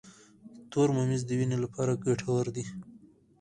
تور ممیز د وینې لپاره ګټور دي.